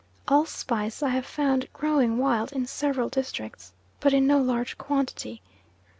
Allspice I have found growing wild in several districts, but in no large quantity.